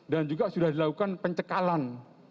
dan juga sudah dilakukan pencekalan